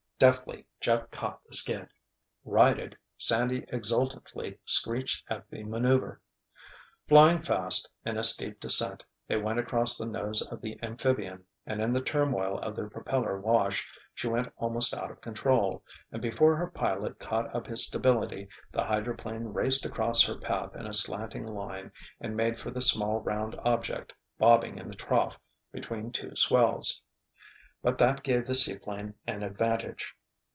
Deftly Jeff caught the skid. Righted, Sandy exultantly screeched at the maneuver. Flying fast, in a steep descent, they went across the nose of the amphibian, and in the turmoil of their propeller wash she went almost out of control, and before her pilot caught up his stability the hydroplane raced across her path in a slanting line and made for the small round object bobbing in the trough between two swells. But that gave the seaplane an advantage.